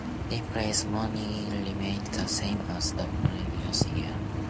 The prize money remained the same as the previous year.